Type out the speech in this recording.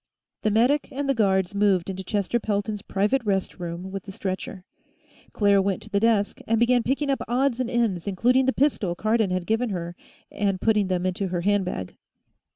The medic and the guards moved into Chester Pelton's private rest room with the stretcher. Claire went to the desk and began picking up odds and ends, including the pistol Cardon had given her, and putting them in her handbag.